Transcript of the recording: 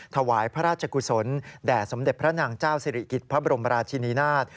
ถวายพระราชกุศลแด่สมเด็จพระนางเจ้าสิริกิจพระบรมราชินีนาฏ